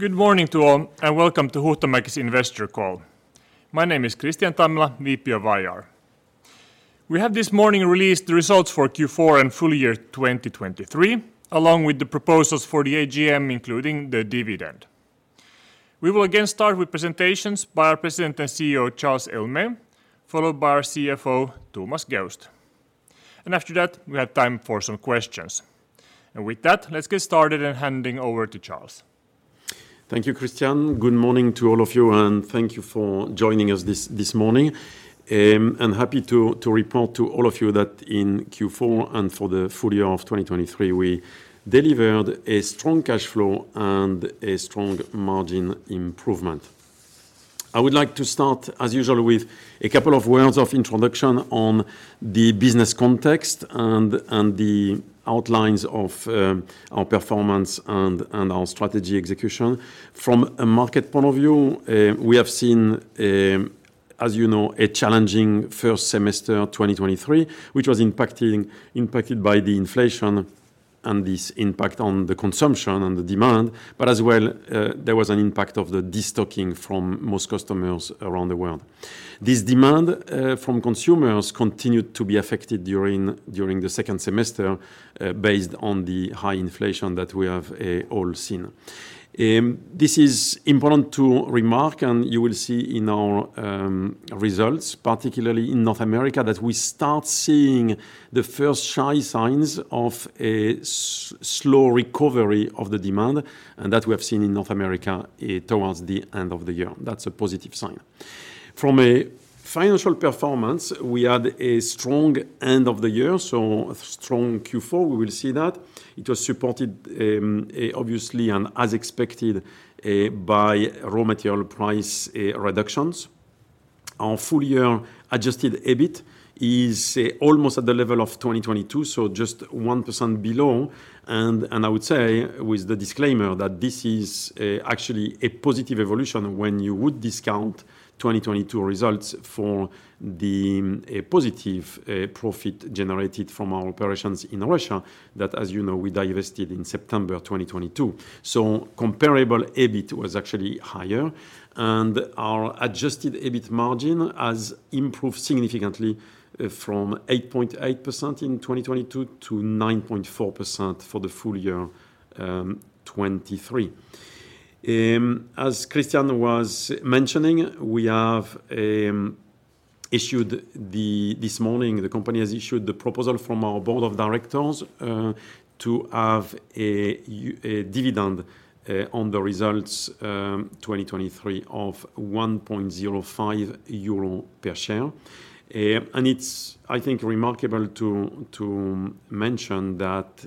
Good morning to all, and welcome to Huhtamäki's Investor Call. My name is Kristian Tammela, VP of IR. We have this morning released the results for Q4 and full year 2023, along with the proposals for the AGM, including the dividend. We will again start with presentations by our President and CEO, Charles Héaulmé, followed by our CFO, Thomas Geust. And after that, we have time for some questions. And with that, let's get started in handing over to Charles. Thank you, Kristian. Good morning to all of you, and thank you for joining us this morning. I'm happy to report to all of you that in Q4 and for the full year of 2023, we delivered a strong cash flow and a strong margin improvement. I would like to start, as usual, with a couple of words of introduction on the business context and the outlines of our performance and our strategy execution. From a market point of view, we have seen, as you know, a challenging first semester, 2023, which was impacted by the inflation and this impact on the consumption and the demand, but as well, there was an impact of the destocking from most customers around the world. This demand from consumers continued to be affected during the second semester based on the high inflation that we have all seen. This is important to remark, and you will see in our results, particularly in North America, that we start seeing the first shy signs of a slow recovery of the demand, and that we have seen in North America towards the end of the year. That's a positive sign. From a financial performance, we had a strong end of the year, so a strong Q4, we will see that. It was supported obviously and as expected by raw material price reductions. Our full year adjusted EBIT is almost at the level of 2022, so just 1% below. And I would say, with the disclaimer, that this is actually a positive evolution when you would discount 2022 results for the positive profit generated from our operations in Russia, that, as you know, we divested in September 2022. So comparable EBIT was actually higher, and our adjusted EBIT margin has improved significantly from 8.8% in 2022 to 9.4% for the full year 2023. As Kristian was mentioning, we have issued the... This morning, the company has issued the proposal from our board of directors to have a dividend on the results 2023 of 1.05 euro per share. It's, I think, remarkable to mention that,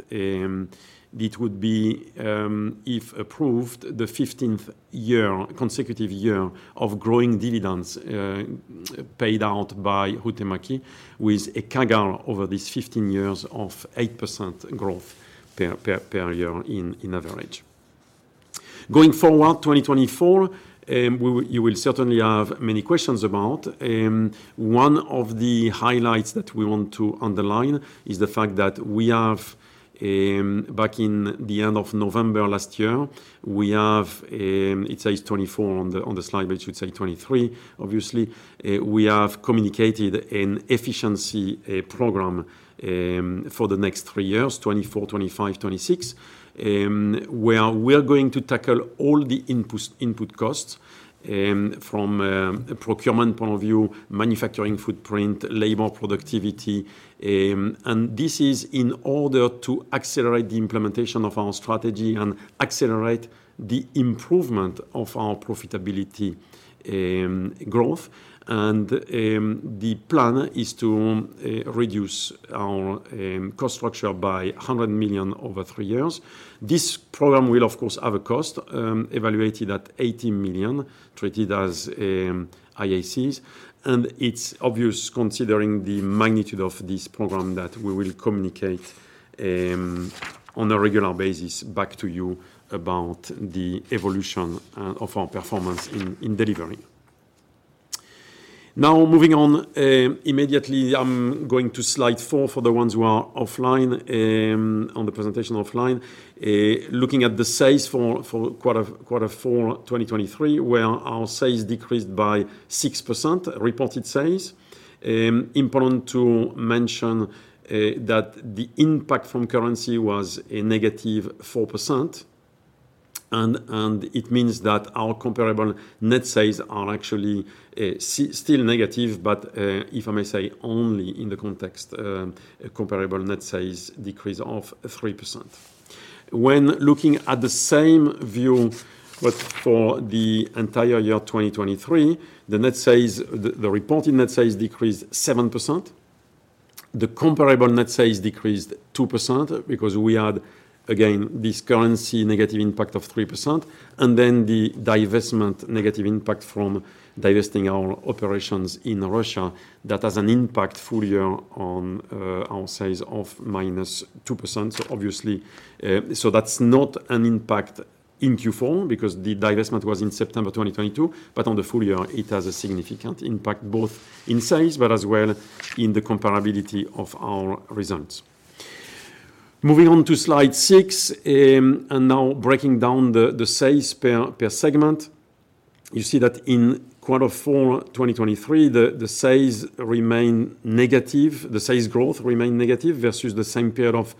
if approved, the fifteenth year consecutive year of growing dividends paid out by Huhtamäki, with a CAGR over these 15 years of 8% growth per year in average. Going forward, 2024, you will certainly have many questions about. One of the highlights that we want to underline is the fact that we have back in the end of November last year. It says 2024 on the slide, but it should say 2023. Obviously, we have communicated an efficiency program for the next three years, 2024, 2025, 2026, where we are going to tackle all the input costs from a procurement point of view, manufacturing footprint, labor productivity. This is in order to accelerate the implementation of our strategy and accelerate the improvement of our profitability, growth. The plan is to reduce our cost structure by 100 million over three years. This program will, of course, have a cost, evaluated at 80 million, treated as IACs. It's obvious, considering the magnitude of this program, that we will communicate on a regular basis back to you about the evolution of our performance in delivering. Now, moving on, immediately, I'm going to slide four for the ones who are offline on the presentation offline. Looking at the sales for quarter four, 2023, where our sales decreased by 6%, reported sales. Important to mention that the impact from currency was a negative 4%, and it means that our comparable net sales are actually still negative, but if I may say, only in the context a comparable net sales decrease of 3%. When looking at the same view, but for the entire year, 2023, the net sales, the reported net sales decreased 7%. The comparable net sales decreased 2% because we had, again, this currency negative impact of 3%, and then the divestment negative impact from divesting our operations in Russia. That has an impact full year on our sales of minus 2%. So obviously, so that's not an impact in Q4 because the divestment was in September 2022, but on the full year, it has a significant impact, both in sales but as well in the comparability of our results. Moving on to slide six, and now breaking down the sales per segment. You see that in quarter four, 2023, the sales remain negative, the sales growth remain negative versus the same period of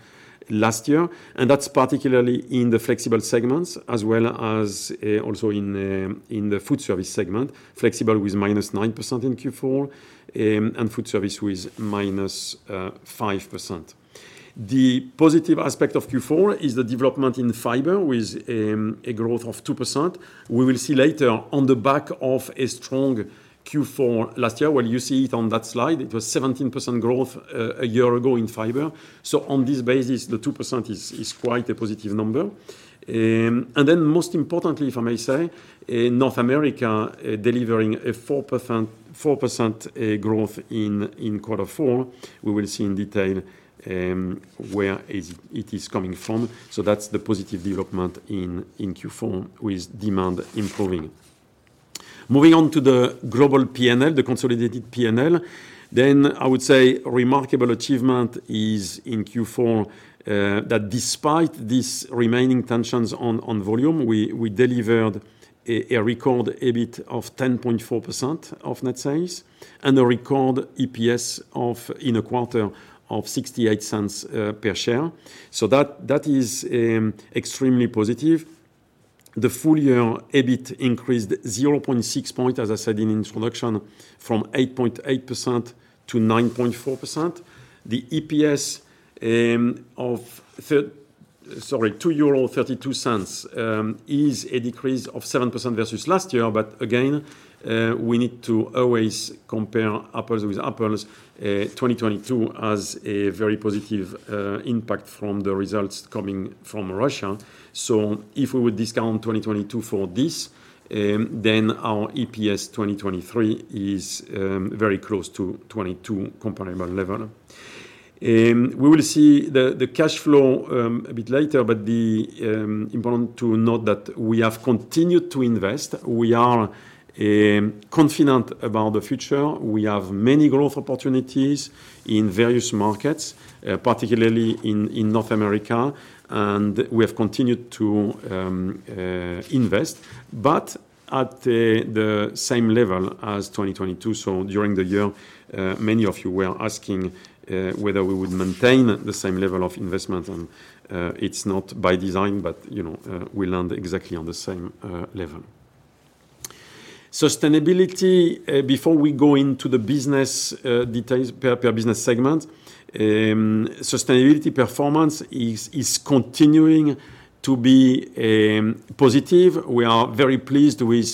last year, and that's particularly in the Flexible segments, as well as also in the food service segment. Flexible with -9% in Q4, and food service with -5%. The positive aspect of Q4 is the development in Fiber, with a growth of 2%. We will see later on the back of a strong Q4 last year, well, you see it on that slide, it was 17% growth a year ago in Fiber. So on this basis, the 2% is quite a positive number. And then most importantly, if I may say, in North America, delivering a 4% growth in quarter four, we will see in detail where it is coming from. So that's the positive development in Q4, with demand improving. Moving on to the global P&L, the consolidated P&L, then I would say remarkable achievement is in Q4, that despite these remaining tensions on volume, we delivered a record EBIT of 10.4% of net sales and a record EPS of EUR 0.68 in a quarter per share. So that, that is, extremely positive. The full-year EBIT increased zero point six point, as I said in introduction, from 8.8% to 9.4%. The EPS of €2.32 is a decrease of 7% versus last year. But again, we need to always compare apples with apples. 2022 has a very positive impact from the results coming from Russia. So if we would discount 2022 for this, then our EPS 2023 is very close to 2022 comparable level. We will see the cash flow a bit later, but important to note that we have continued to invest. We are confident about the future. We have many growth opportunities in various markets, particularly in North America, and we have continued to invest, but at the same level as 2022. So during the year, many of you were asking whether we would maintain the same level of investment, and it's not by design, but, you know, we land exactly on the same level. Sustainability, before we go into the business details per business segment, sustainability performance is continuing to be positive. We are very pleased with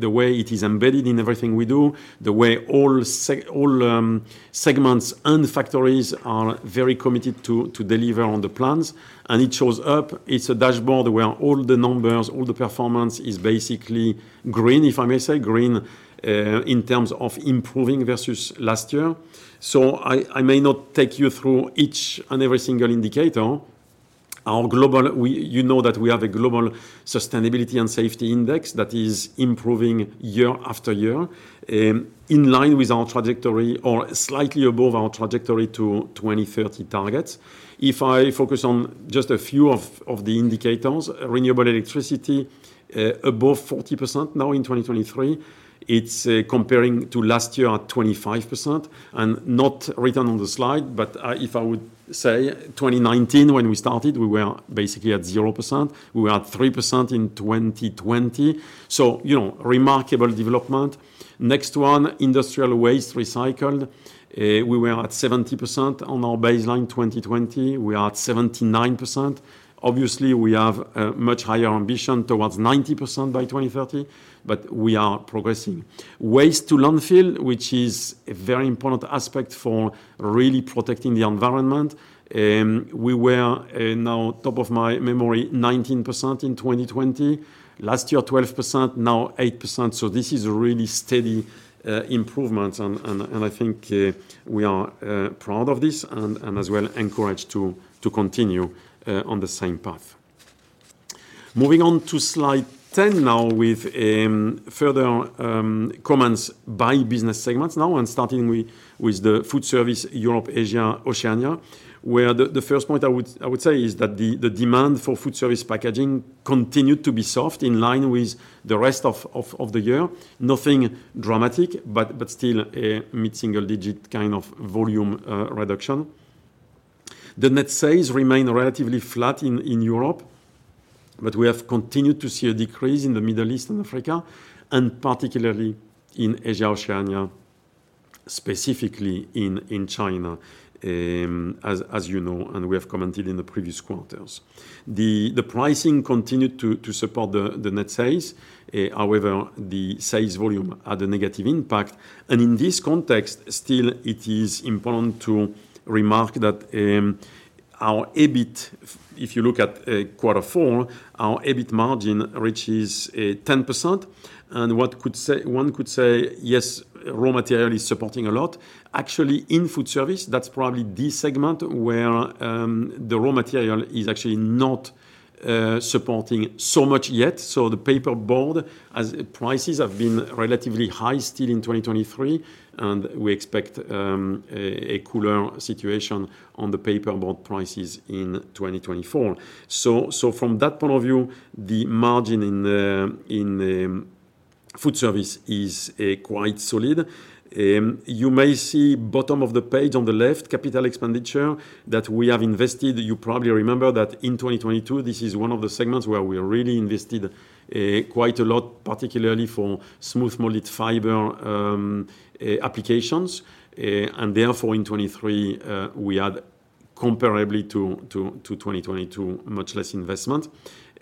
the way it is embedded in everything we do, the way all segments and factories are very committed to deliver on the plans. And it shows up. It's a dashboard where all the numbers, all the performance is basically green, if I may say, green, in terms of improving versus last year. So I, I may not take you through each and every single indicator. Our global—we—you know that we have a global sustainability and safety index that is improving year after year, in line with our trajectory or slightly above our trajectory to 2030 targets. If I focus on just a few of, of the indicators, renewable electricity, above 40% now in 2023. It's, comparing to last year at 25%, and not written on the slide, but, if I would say 2019, when we started, we were basically at 0%. We were at 3% in 2020. So, you know, remarkable development. Next one, industrial waste recycled. We were at 70% on our baseline, 2020, we are at 79%. Obviously, we have a much higher ambition towards 90% by 2030, but we are progressing. Waste to landfill, which is a very important aspect for really protecting the environment, we were, now, top of my memory, 19% in 2020. Last year, 12%, now 8%. So this is a really steady improvement, and I think we are proud of this and as well encouraged to continue on the same path. Moving on to slide 10 now with further comments by business segments now, and starting with the food service, Europe, Asia, Oceania, where the first point I would say is that the demand for food service packaging continued to be soft, in line with the rest of the year. Nothing dramatic, but still a mid-single digit kind of volume reduction. The net sales remained relatively flat in Europe, but we have continued to see a decrease in the Middle East and Africa, and particularly in Asia, Oceania, specifically in China, as you know, and we have commented in the previous quarters. The pricing continued to support the net sales. However, the sales volume had a negative impact, and in this context, still, it is important to remark that, our EBIT, if you look at, quarter four, our EBIT margin reaches, 10%. And what could say-- one could say, "Yes, raw material is supporting a lot." Actually, in food service, that's probably the segment where, the raw material is actually not, supporting so much yet. So the paperboard, as prices have been relatively high still in 2023, and we expect, a cooler situation on the paperboard prices in 2024. So, so from that point of view, the margin in the, in the-... food service is, quite solid. You may see bottom of the page on the left, capital expenditure that we have invested. You probably remember that in 2022, this is one of the segments where we really invested quite a lot, particularly for Smooth Molded Fiber applications. And therefore, in 2023, we had comparably to 2022, much less investment.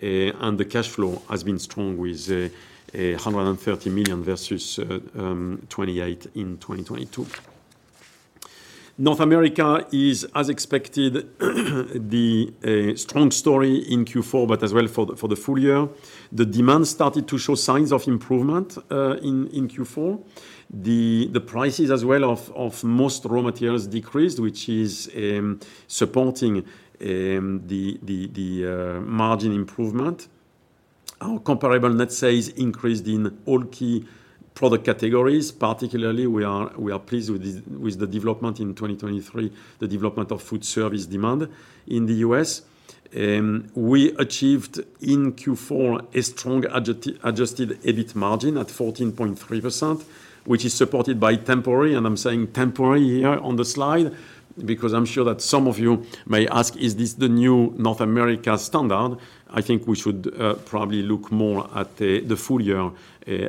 And the cash flow has been strong with 130 million versus 28 million in 2022. North America is, as expected, the strong story in Q4, but as well for the full year. The demand started to show signs of improvement in Q4. The prices as well of most raw materials decreased, which is supporting the margin improvement. Our comparable net sales increased in all key product categories. Particularly, we are pleased with the development in 2023, the development of food service demand in the U.S. We achieved in Q4 a strong adjusted EBIT margin at 14.3%, which is supported by temporary, and I'm saying temporary here on the slide, because I'm sure that some of you may ask, "Is this the new North America standard?" I think we should probably look more at the full year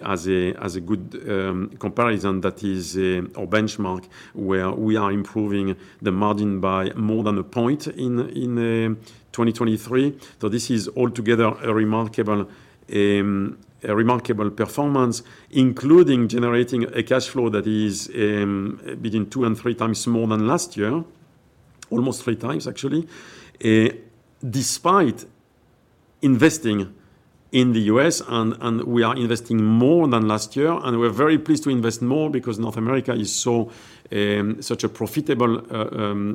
as a good comparison that is or benchmark, where we are improving the margin by more than a point in 2023. So this is altogether a remarkable, a remarkable performance, including generating a cash flow that is between two and three times more than last year. Almost three times, actually. Despite investing in the U.S. and we are investing more than last year, and we're very pleased to invest more because North America is so such a profitable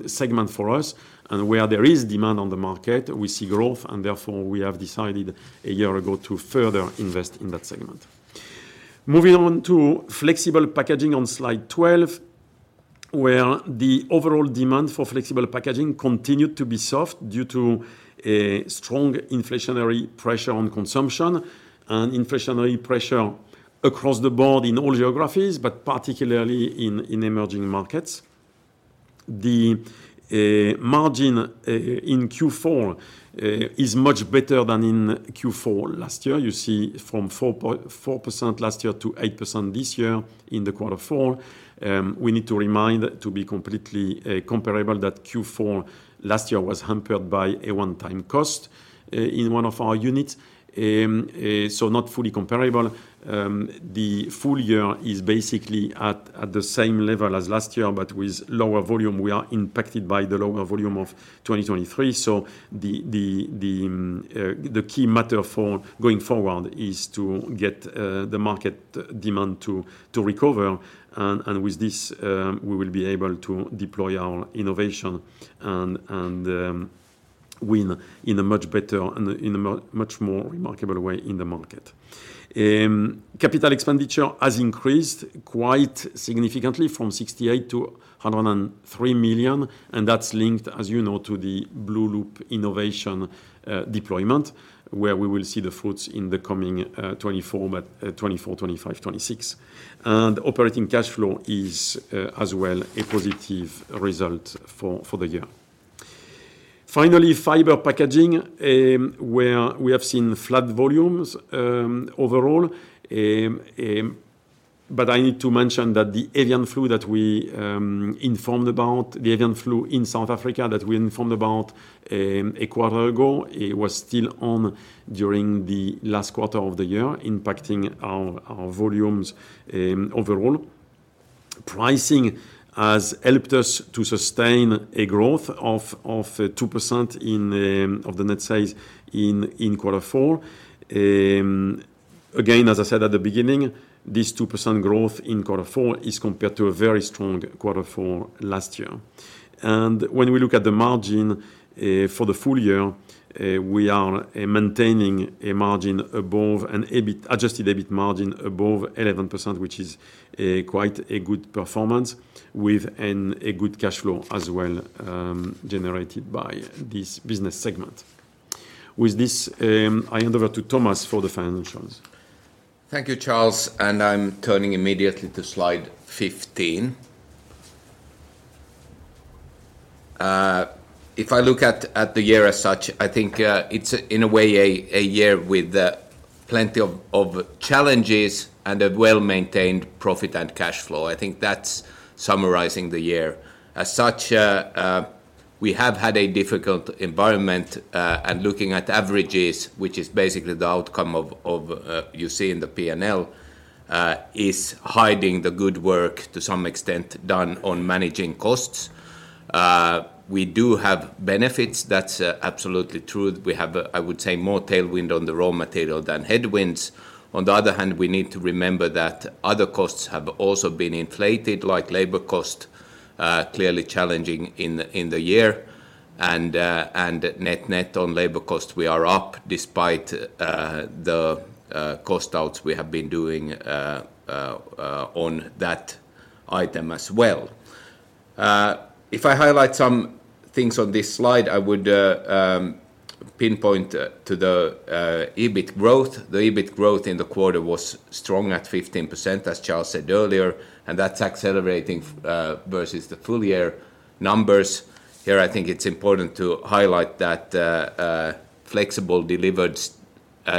segment for us, and where there is demand on the market, we see growth, and therefore, we have decided a year ago to further invest in that segment. Moving on to Flexible packaging on slide 12, where the overall demand for Flexible packaging continued to be soft due to a strong inflationary pressure on consumption and inflationary pressure across the board in all geographies, but particularly in emerging markets. The margin in Q4 is much better than in Q4 last year. You see from 4.4% last year to 8% this year in the quarter four. We need to remind, to be completely comparable, that Q4 last year was hampered by a one-time cost in one of our units. So not fully comparable. The full year is basically at the same level as last year, but with lower volume, we are impacted by the lower volume of 2023. So the key matter for going forward is to get the market demand to recover. And with this, we will be able to deploy our innovation and win in a much better and much more remarkable way in the market. Capital expenditure has increased quite significantly from 68 million to 103 million, and that's linked, as you know, to the blueloop innovation, deployment, where we will see the fruits in the coming 2024, but 2024, 2025, 2026. Operating cash flow is as well a positive result for the year. Finally, Fiber Packaging, where we have seen flat volumes overall. But I need to mention that the avian flu that we informed about, the avian flu in South Africa that we informed about a quarter ago, it was still on during the last quarter of the year, impacting our volumes overall. Pricing has helped us to sustain a growth of 2% in net sales in quarter four. Again, as I said at the beginning, this 2% growth in quarter four is compared to a very strong quarter four last year. And when we look at the margin, for the full year, we are maintaining a margin above an EBIT, adjusted EBIT margin above 11%, which is quite a good performance with a good cash flow as well, generated by this business segment. With this, I hand over to Thomas for the financials. Thank you, Charles, and I'm turning immediately to slide 15. If I look at the year as such, I think it's in a way a year with plenty of challenges and a well-maintained profit and cash flow. I think that's summarizing the year. As such, we have had a difficult environment, and looking at averages, which is basically the outcome of you see in the P&L, is hiding the good work to some extent done on managing costs. We do have benefits. That's absolutely true. We have, I would say, more tailwind on the raw material than headwinds. On the other hand, we need to remember that other costs have also been inflated, like labor cost, clearly challenging in the year. And net, net on labor cost, we are up despite the cost outs we have been doing on that item as well. If I highlight some things on this slide, I would pinpoint to the EBIT growth. The EBIT growth in the quarter was strong at 15%, as Charles said earlier, and that's accelerating versus the full year numbers. Here, I think it's important to highlight that Flexible delivered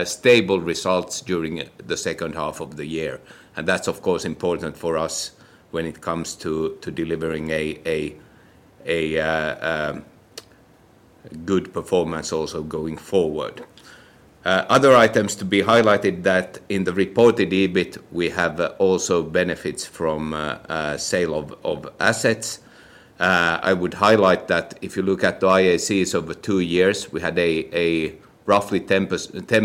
stable results during the second half of the year. And that's, of course, important for us when it comes to delivering a good performance also going forward. Other items to be highlighted that in the reported EBIT, we have also benefits from sale of assets. I would highlight that if you look at the IACs over two years, we had a roughly 10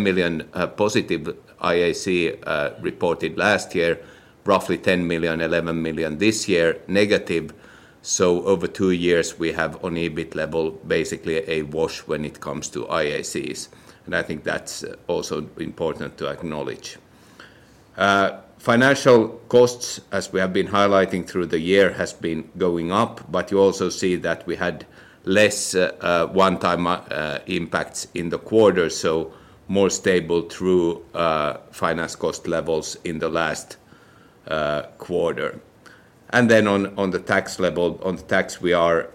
million positive IAC reported last year, roughly 10 million, 11 million this year, negative. So over two years, we have on EBIT level, basically a wash when it comes to IACs. And I think that's also important to acknowledge. Financial costs, as we have been highlighting through the year, has been going up, but you also see that we had less one-time impacts in the quarter, so more stable through finance cost levels in the last quarter. And then on the tax level, on the tax, we are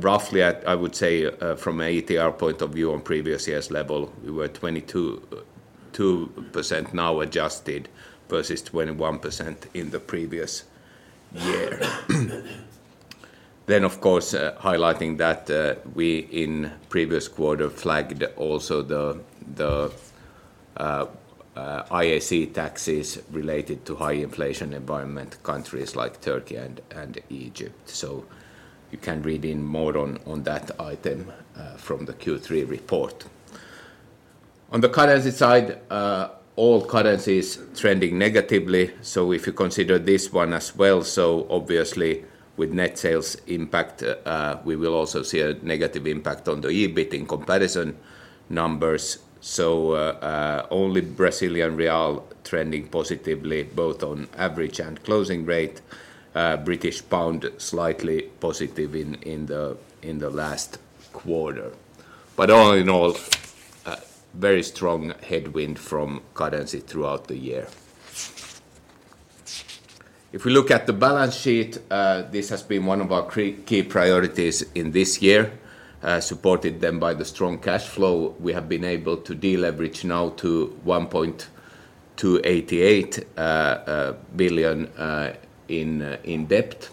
roughly at, I would say, from a ETR point of view on previous years level, we were 22.2% now adjusted versus 21% in the previous year. Then, of course, highlighting that, we in previous quarter flagged also the IAC taxes related to high inflation environment, countries like Turkey and Egypt. So you can read in more on that item from the Q3 report. On the currency side, all currencies trending negatively. So if you consider this one as well, so obviously with net sales impact, we will also see a negative impact on the EBIT in comparison numbers. So, only Brazilian real trending positively, both on average and closing rate, British pound slightly positive in the last quarter. But all in all, a very strong headwind from currency throughout the year. If we look at the balance sheet, this has been one of our key priorities in this year, supported then by the strong cash flow, we have been able to deleverage now to 1.288 billion in net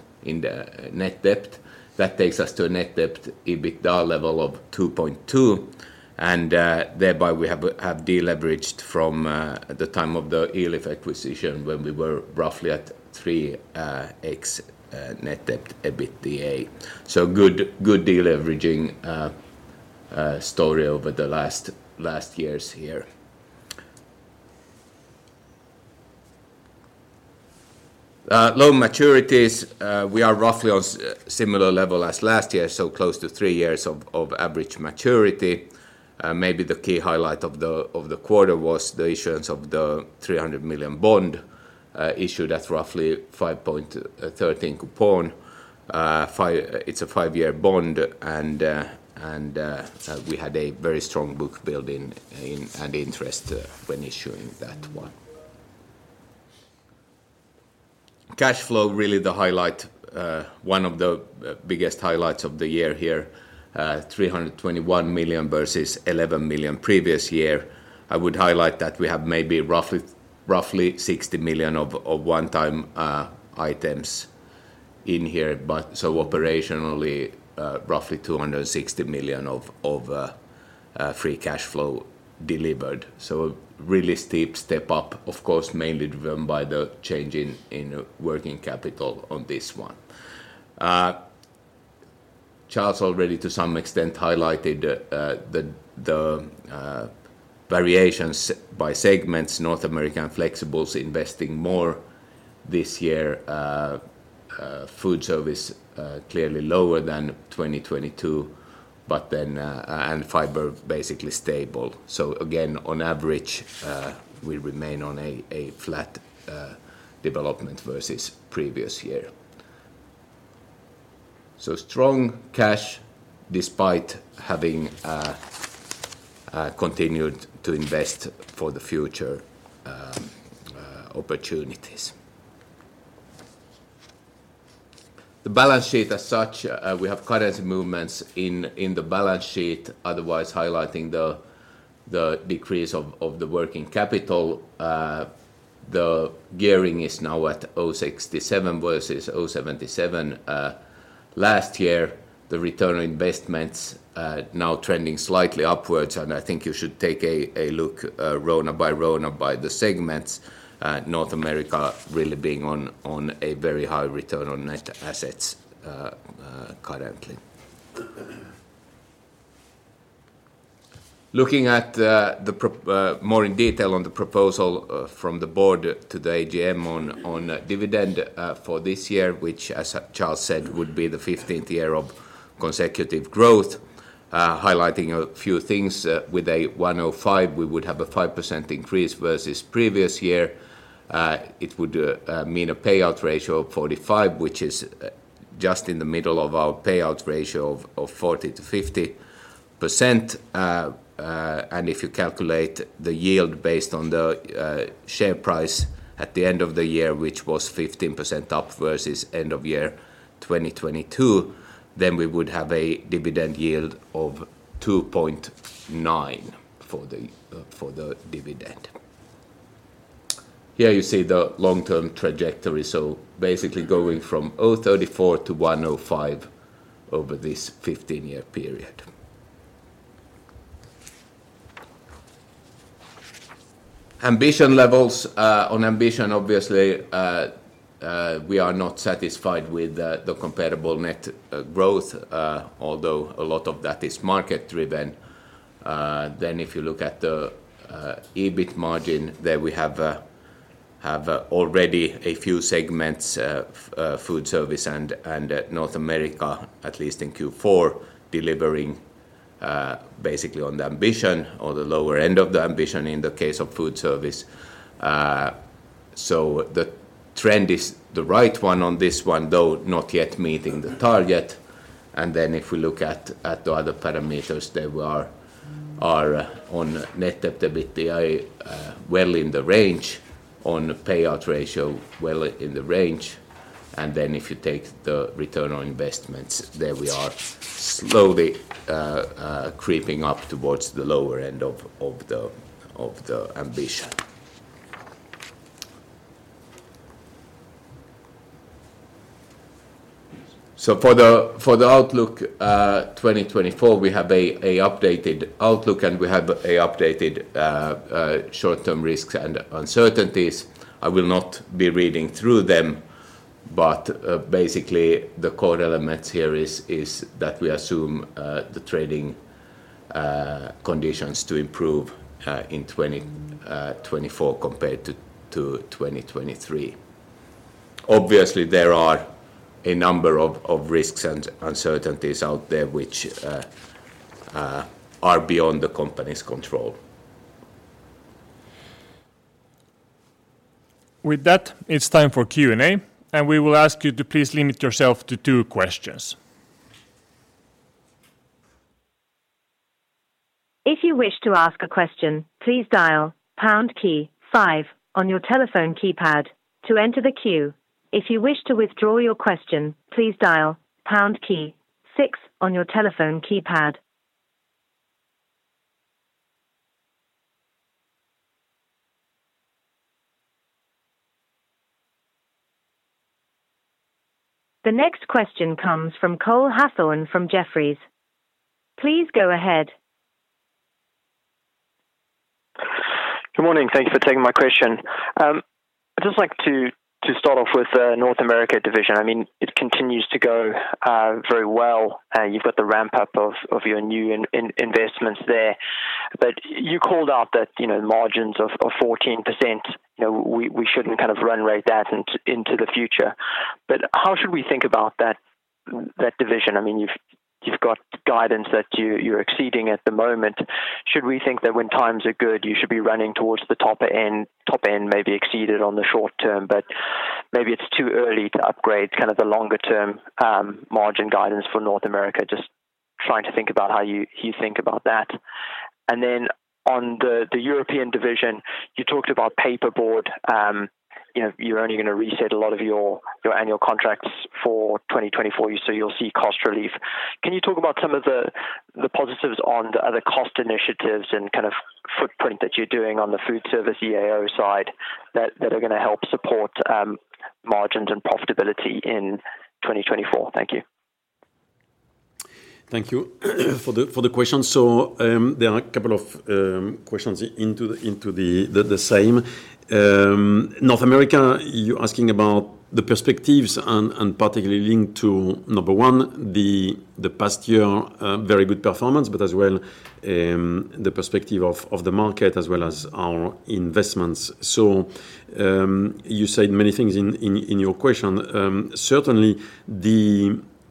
debt. That takes us to a net debt/EBITDA level of 2.2, and thereby we have deleveraged from the time of the Elif acquisition, when we were roughly at 3x net debt/EBITDA. So good deleveraging story over the last years here. Loan maturities, we are roughly on similar level as last year, so close to 3 years of average maturity. Maybe the key highlight of the quarter was the issuance of the 300 million bond, issued at roughly 5.13% coupon. It's a five-year bond, and we had a very strong book building and interest when issuing that one. Cash flow, really the highlight, one of the biggest highlights of the year here, 321 million versus 11 million previous year. I would highlight that we have maybe roughly 60 million of one-time items in here, but so operationally, roughly 260 million of free cash flow delivered. So really steep step up, of course, mainly driven by the change in working capital on this one. Charles already, to some extent, highlighted the variations by segments, North American Flexibles investing more this year, food service clearly lower than 2022, but then and Fiber basically stable. So again, on average, we remain on a flat development versus previous year. So strong cash, despite having continued to invest for the future opportunities. The balance sheet as such, we have currency movements in the balance sheet, otherwise highlighting the decrease of the working capital. The gearing is now at 67% versus 77%. Last year, the return on investments now trending slightly upwards, and I think you should take a look row by row by the segments. North America really being on a very high return on net assets currently. Looking at the proposal more in detail from the board to the AGM on dividend for this year, which, as Charles said, would be the fifteenth year of consecutive growth, highlighting a few things. With 1.05, we would have a 5% increase versus previous year. It would mean a payout ratio of 45%, which is... just in the middle of our payout ratio of 40%-50%. And if you calculate the yield based on the share price at the end of the year, which was 15% up versus end of year 2022, then we would have a dividend yield of 2.9% for the dividend. Here you see the long-term trajectory, so basically going from 0.34 to 1.05 over this 15-year period. Ambition levels. On ambition, obviously, we are not satisfied with the comparable net growth, although a lot of that is market-driven. Then if you look at the EBIT margin, there we have already a few segments, food service and North America, at least in Q4, delivering basically on the ambition or the lower end of the ambition in the case of food service. So the trend is the right one on this one, though not yet meeting the target. Then if we look at the other parameters, they are on net debt, EBITDA, well in the range, on payout ratio well in the range. Then if you take the return on investments, there we are slowly creeping up towards the lower end of the ambition. So for the outlook, 2024, we have an updated outlook, and we have an updated short-term risks and uncertainties. I will not be reading through them, but basically, the core elements here is that we assume the trading conditions to improve in 2024 compared to 2023. Obviously, there are a number of risks and uncertainties out there which are beyond the company's control. With that, it's time for Q&A, and we will ask you to please limit yourself to two questions. If you wish to ask a question, please dial pound key five on your telephone keypad to enter the queue. If you wish to withdraw your question, please dial pound key six on your telephone keypad. The next question comes from Cole Hathorn from Jefferies. Please go ahead. Good morning. Thank you for taking my question. I'd just like to start off with the North America division. I mean, it continues to go very well, and you've got the ramp-up of your new investments there. But you called out that, you know, margins of 14%, you know, we shouldn't kind of run rate that into the future. But how should we think about that division? I mean, you've got guidance that you're exceeding at the moment. Should we think that when times are good, you should be running towards the top end, maybe exceeded on the short term, but maybe it's too early to upgrade kind of the longer-term margin guidance for North America? Just trying to think about how you think about that. And then on the, the European division, you talked about paperboard. You know, you're only going to reset a lot of your, your annual contracts for 2024, so you'll see cost relief. Can you talk about some of the, the positives on the other cost initiatives and kind of footprint that you're doing on the food service EAO side that, that are going to help support margins and profitability in 2024? Thank you. Thank you for the question. So, there are a couple of questions into the same. North America, you're asking about the perspectives and particularly linked to, number one, the past year, very good performance, but as well, the perspective of the market as well as our investments. So, you said many things in your question. Certainly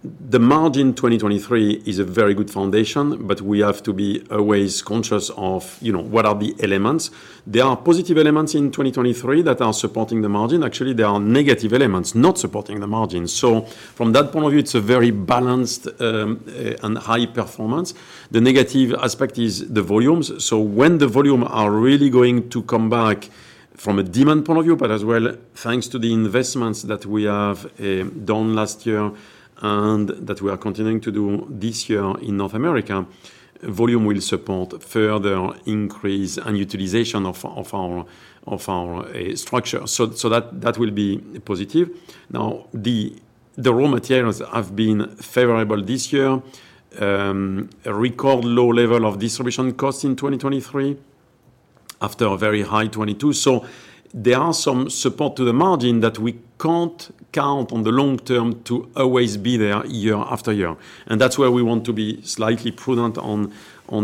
the margin 2023 is a very good foundation, but we have to be always conscious of, you know, what are the elements. There are positive elements in 2023 that are supporting the margin. Actually, there are negative elements not supporting the margin. So from that point of view, it's a very balanced and high performance. The negative aspect is the volumes. So when the volume are really going to come back from a demand point of view, but as well, thanks to the investments that we have done last year and that we are continuing to do this year in North America, volume will support further increase and utilization of our structure. So that will be positive. Now, the raw materials have been favorable this year. A record low level of distribution costs in 2023 after a very high 2022. So there are some support to the margin that we can't count on the long term to always be there year after year. And that's where we want to be slightly prudent on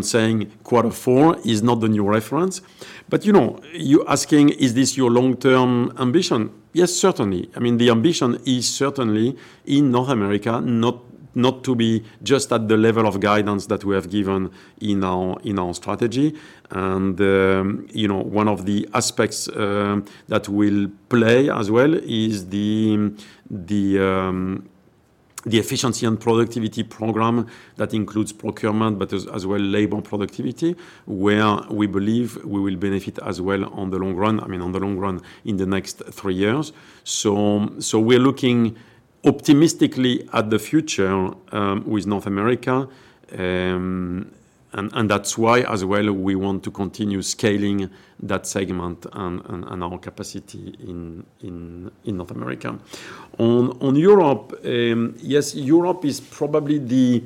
saying quarter four is not the new reference. But, you know, you're asking, is this your long-term ambition? Yes, certainly. I mean, the ambition is certainly in North America, not- ... not to be just at the level of guidance that we have given in our strategy. And, you know, one of the aspects that will play as well is the efficiency and productivity program that includes procurement, but as well, labor productivity, where we believe we will benefit as well on the long run. I mean, on the long run in the next three years. So, we're looking optimistically at the future with North America, and that's why as well, we want to continue scaling that segment and our capacity in North America. On Europe, yes, Europe is probably the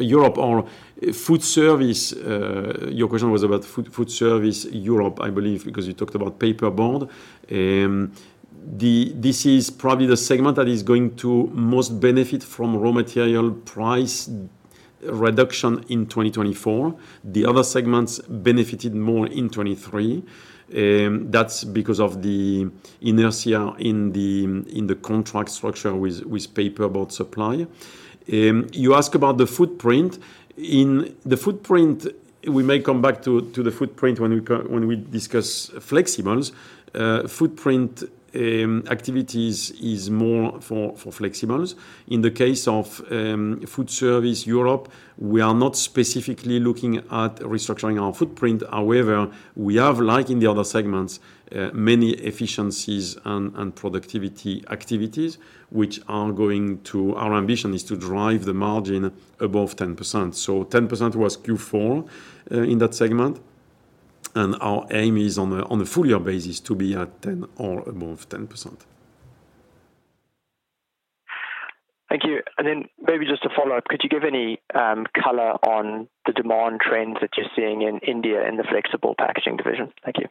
Europe or food service, your question was about food service Europe, I believe, because you talked about paperboard. This is probably the segment that is going to most benefit from raw material price reduction in 2024. The other segments benefited more in 2023. That's because of the inertia in the contract structure with paperboard supply. You ask about the footprint. In the footprint, we may come back to the footprint when we discuss Flexibles. Footprint activities is more for Flexibles. In the case of Food Service Europe, we are not specifically looking at restructuring our footprint. However, we have, like in the other segments, many efficiencies and productivity activities which are going to... Our ambition is to drive the margin above 10%. 10% was Q4 in that segment, and our aim is on a full year basis to be at 10% or above 10%. Thank you. And then maybe just a follow-up, could you give any color on the demand trends that you're seeing in India, in the Flexible packaging division? Thank you.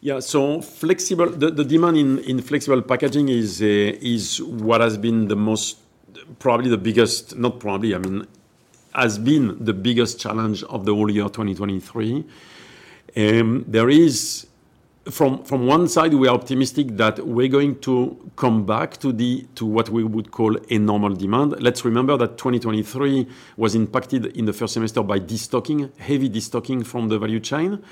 Yeah. So the demand in Flexible packaging is what has been the most—probably the biggest... Not probably, I mean, has been the biggest challenge of the whole year 2023. There is, from one side, we are optimistic that we're going to come back to the, to what we would call a normal demand. Let's remember that 2023 was impacted in the first semester by destocking, heavy destocking from the value chain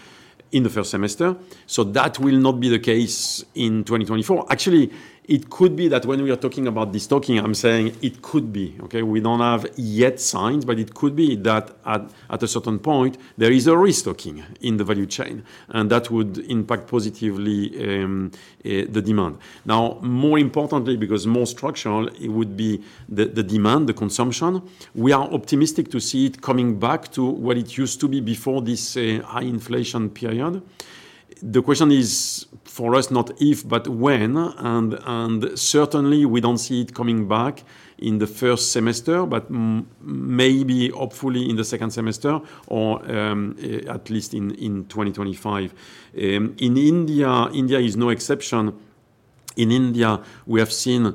in the first semester. So that will not be the case in 2024. Actually, it could be that when we are talking about destocking, I'm saying it could be, okay? We don't have yet signs, but it could be that at a certain point, there is a restocking in the value chain, and that would impact positively the demand. Now, more importantly, because more structural, it would be the demand, the consumption. We are optimistic to see it coming back to what it used to be before this high inflation period. The question is, for us, not if, but when, and certainly we don't see it coming back in the first semester, but maybe hopefully in the second semester or at least in 2025. In India, India is no exception. In India, we have seen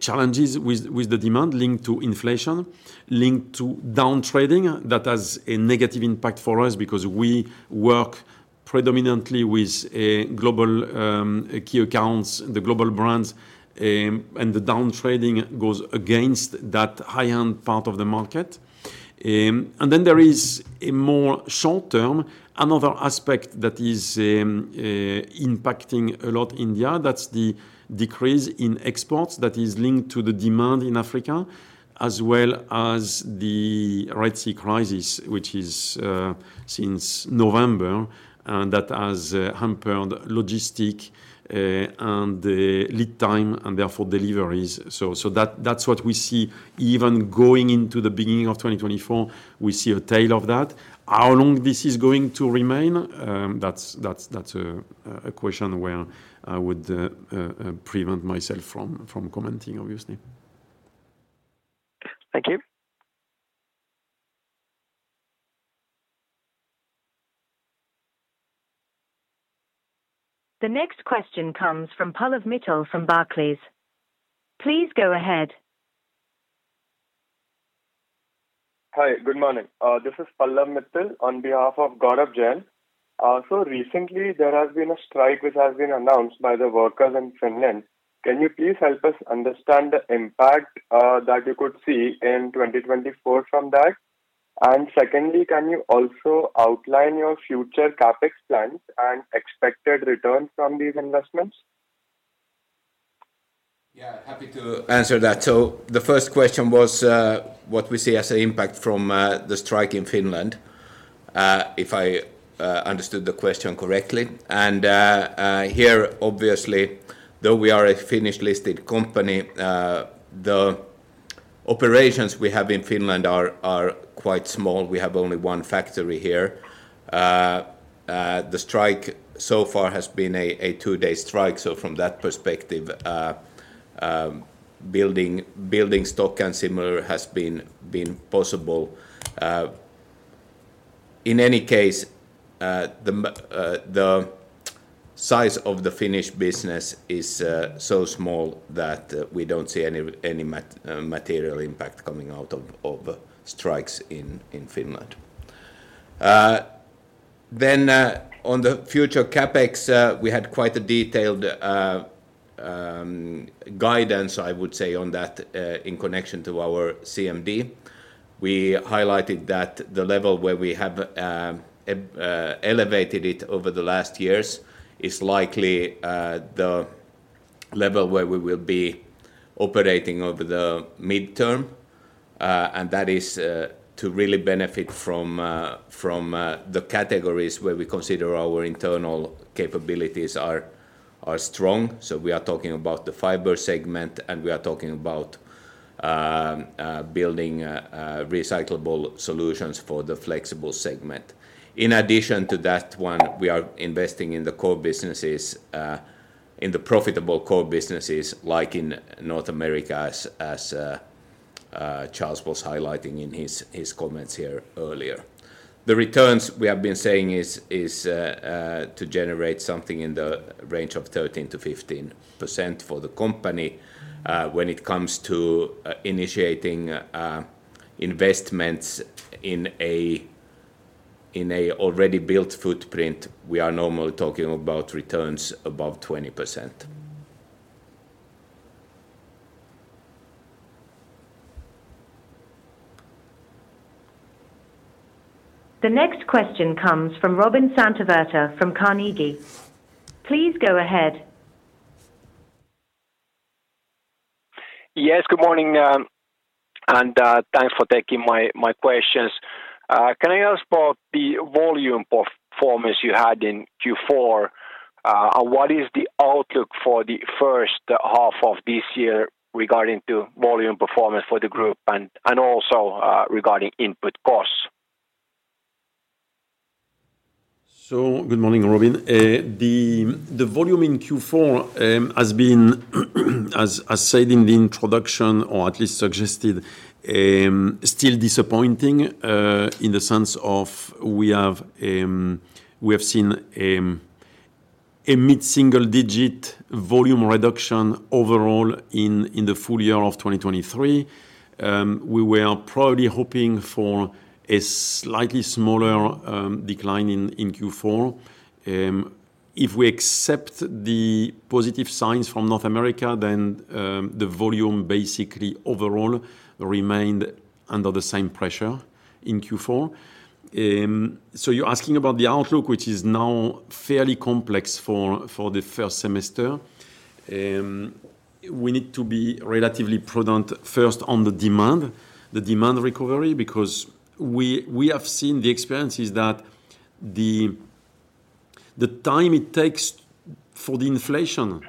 challenges with the demand linked to inflation, linked to Down Trading. That has a negative impact for us because we work predominantly with global key accounts, the global brands, and the Down Trading goes against that high-end part of the market. Then there is a more short term, another aspect that is impacting a lot India, that's the decrease in exports that is linked to the demand in Africa, as well as the Red Sea crisis, which is since November, and that has hampered logistics and the lead time, and therefore deliveries. So, that's what we see. Even going into the beginning of 2024, we see a tail of that. How long this is going to remain? That's, that's, that's a question where I would prevent myself from commenting, obviously. Thank you. The next question comes from Pallav Mittal from Barclays. Please go ahead. Hi, good morning. This is Pallav Mittal, on behalf of Gaurav Jain. So recently there has been a strike which has been announced by the workers in Finland. Can you please help us understand the impact that you could see in 2024 from that? And secondly, can you also outline your future CapEx plans and expected return from these investments? Yeah, happy to answer that. So the first question was what we see as an impact from the strike in Finland, if I understood the question correctly. Here, obviously, though we are a Finnish-listed company, the operations we have in Finland are quite small. We have only one factory here. The strike so far has been a two-day strike, so from that perspective, building stock and similar has been possible. In any case, the size of the Finnish business is so small that we don't see any material impact coming out of strikes in Finland.... Then, on the future CapEx, we had quite a detailed guidance, I would say, on that, in connection to our CMD. We highlighted that the level where we have elevated it over the last years is likely the level where we will be operating over the midterm. And that is to really benefit from the categories where we consider our internal capabilities are strong. So we are talking about the Fiber segment, and we are talking about building recyclable solutions for the Flexible segment. In addition to that one, we are investing in the core businesses, in the profitable core businesses, like in North America, as Charles was highlighting in his comments here earlier. The returns we have been saying is to generate something in the range of 13%-15% for the company. When it comes to initiating investments in an already built footprint, we are normally talking about returns above 20%. The next question comes from Robin Santavirta from Carnegie. Please go ahead. Yes, good morning, and thanks for taking my questions. Can I ask about the volume performance you had in Q4? What is the outlook for the first half of this year regarding to volume performance for the group and also regarding input costs? So good morning, Robin. The volume in Q4 has been, as said in the introduction, or at least suggested, still disappointing, in the sense of we have seen a mid-single-digit volume reduction overall in the full year of 2023. We were probably hoping for a slightly smaller decline in Q4. If we accept the positive signs from North America, then the volume basically overall remained under the same pressure in Q4. So you're asking about the outlook, which is now fairly complex for the first semester. We need to be relatively prudent first on the demand, the demand recovery, because we have seen the experiences that the time it takes for the inflation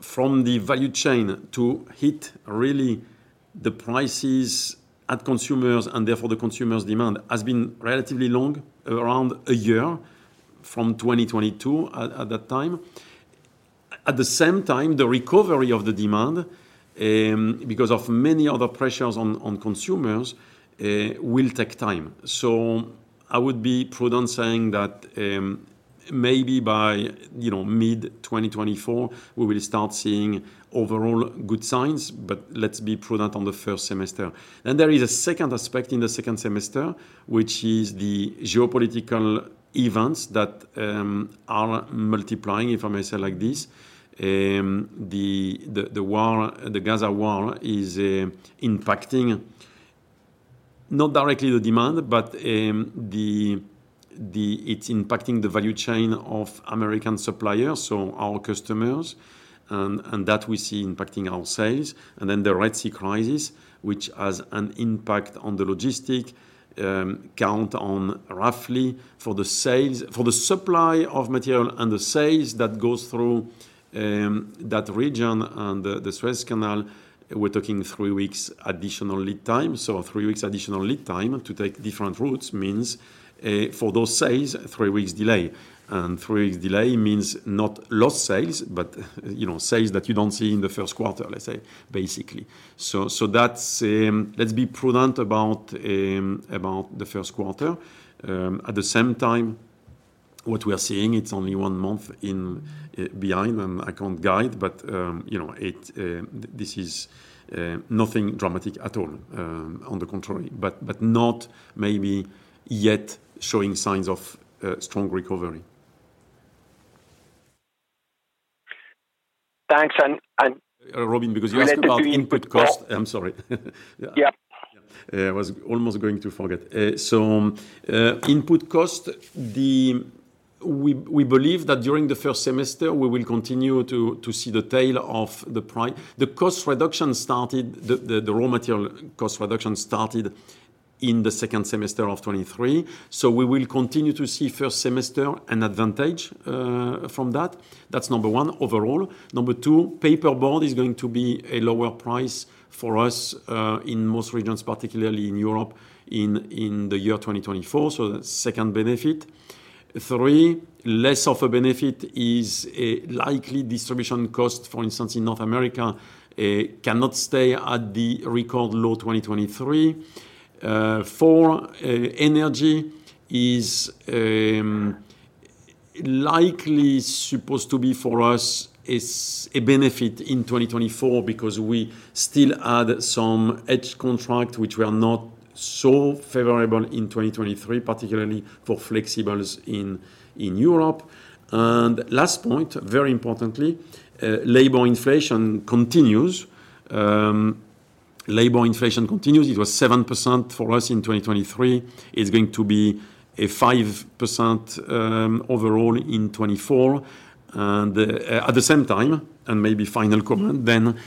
from the value chain to hit really the prices at consumers, and therefore the consumers' demand, has been relatively long, around a year from 2022 at that time. At the same time, the recovery of the demand, because of many other pressures on consumers, will take time. So I would be prudent saying that, maybe by, you know, mid-2024, we will start seeing overall good signs, but let's be prudent on the first semester. Then there is a second aspect in the second semester, which is the geopolitical events that are multiplying, if I may say like this. The war, the Gaza war is impacting not directly the demand, but it's impacting the value chain of American suppliers, so our customers, and that we see impacting our sales. And then the Red Sea crisis, which has an impact on the logistics, count on roughly for the sales, for the supply of material and the sales that goes through that region and the Suez Canal, we're talking three weeks additional lead time. So three weeks additional lead time to take different routes means for those sales, three weeks delay. And three weeks delay means not lost sales, but you know, sales that you don't see in the first quarter, let's say, basically. So that's... Let's be prudent about the first quarter. At the same time, what we are seeing, it's only one month in, and I can't guide, but you know, this is nothing dramatic at all. On the contrary, but not maybe yet showing signs of strong recovery. Thanks, and Robin, because you asked about input cost- Yeah. I'm sorry. Yeah. Yeah, I was almost going to forget. So, input cost, the—we believe that during the first semester, we will continue to see the tail of the price. The cost reduction started, the raw material cost reduction started in the second semester of 2023. So we will continue to see first semester an advantage from that. That's number one overall. Number two, paperboard is going to be a lower price for us in most regions, particularly in Europe, in the year 2024, so that's second benefit. Three, less of a benefit is a likely distribution cost. For instance, in North America, cannot stay at the record low 2023. Four, energy is... likely supposed to be for us is a benefit in 2024 because we still have some hedge contracts which were not so favorable in 2023, particularly for Flexibles in, in Europe. And last point, very importantly, labor inflation continues. Labor inflation continues. It was 7% for us in 2023. It's going to be a 5%, overall in 2024. And, at the same time, and maybe final comment then,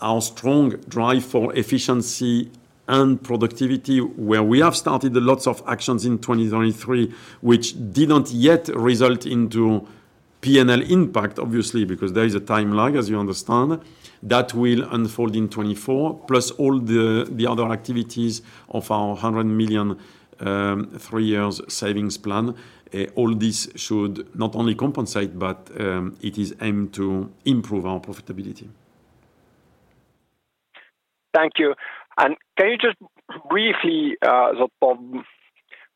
our strong drive for efficiency and productivity, where we have started lots of actions in 2023, which didn't yet result into P&L impact, obviously, because there is a time lag, as you understand. That will unfold in 2024, plus all the, the other activities of our 100 million three-year savings plan. All this should not only compensate, but, it is aimed to improve our profitability. Thank you. And can you just briefly, sort of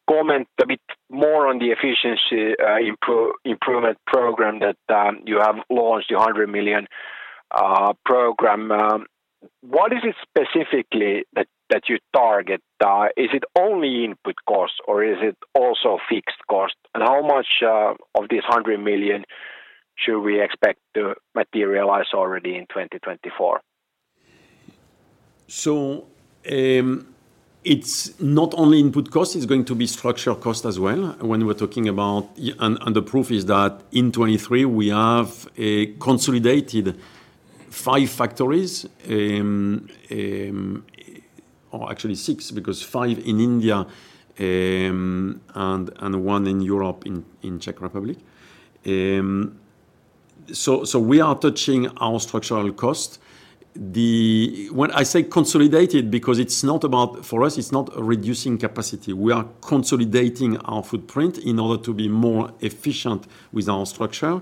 comment a bit more on the efficiency improvement program that you have launched, the 100 million program? What is it specifically that you target? Is it only input costs or is it also fixed costs? And how much of this 100 million should we expect to materialize already in 2024? So, it's not only input cost, it's going to be structural cost as well. When we're talking about the proof is that in 2023, we have consolidated five factories. Or actually six, because five in India, and one in Europe, in Czech Republic. So, we are touching our structural cost. When I say consolidated, because it's not about. For us, it's not reducing capacity. We are consolidating our footprint in order to be more efficient with our structure,